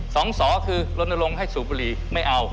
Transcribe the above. สองสอคือลนลงให้สูบบุหรี่ไม่เอา